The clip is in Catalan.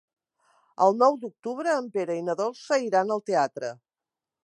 El nou d'octubre en Pere i na Dolça iran al teatre.